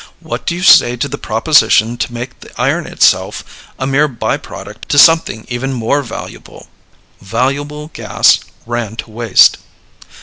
What do you say to the proposition to make the iron itself a mere by product to something even more valuable? Valuable Gas Ran to Waste.